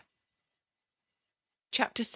CHAPTER VI.